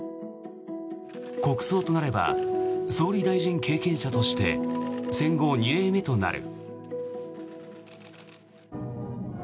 国葬となれば総理大臣経験者として戦後２例目となる。